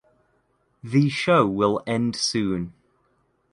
The show will end soon.